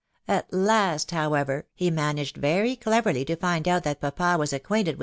At last, however, he managed very cle verly to find out that papa was acquainted with M.